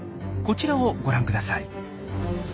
こちらをご覧ください。